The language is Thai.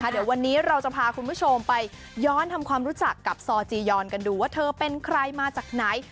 เดี๋ยววันนี้เราจะพาคุณผู้ชมไปย้อนทำความรู้จักกับซอจียอนกันดูว่าเธอเป็นใครมาจากไหน